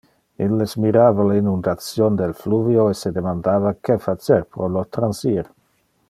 Illes mirava le inundation del fluvio e se demandava que facer pro lo transir.